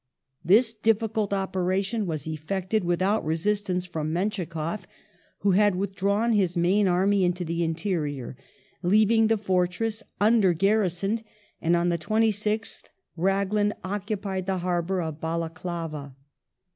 This difficult operation was effected without resistance from Menschikoff who had withdrawn his main army into the interior,' leaving the fortress under garrisoned, and on the 26th Raglan occupied the harbour of Balaclava.